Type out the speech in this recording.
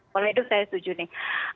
pola hidup saya setuju nih